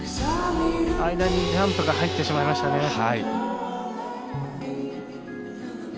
間にジャンプが入ってしまいましたね。